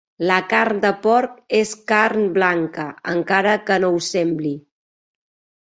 La carn de porc és carn blanca, encara que no ho sembli.